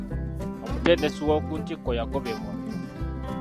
Omutendesi owokuntikko yagobebwa.